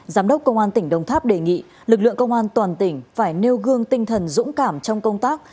giám đốc công an tỉnh đồng tháp đề nghị lực lượng công an toàn tỉnh phải nêu gương tinh thần dũng cảm trong công tác